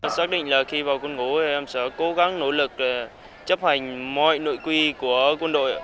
xác định là khi vào quân ngũ em sẽ cố gắng nỗ lực chấp hành mọi nội quy của quân đội